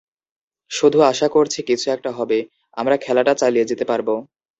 শুধু আশা করছি কিছু একটা হবে, আমরা খেলাটা চালিয়ে যেতে পারব।